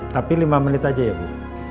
tapi lima menit aja ya bu